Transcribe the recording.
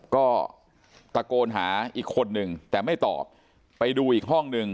ก็ตะโกนหาอีกคนนึงแต่ไม่ตอบไปดูอีกห้องหนึ่ง